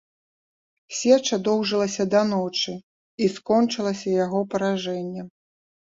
Сеча доўжылася да ночы і скончылася яго паражэннем.